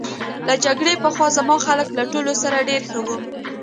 له جګړې پخوا زما اخلاق له ټولو سره ډېر ښه وو